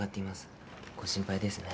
ご心配ですね。